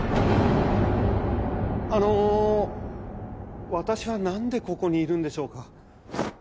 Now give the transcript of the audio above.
あの私はなんでここにいるんでしょうか？